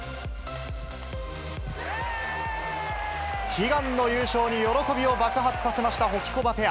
悲願の優勝に喜びを爆発させましたホキコバペア。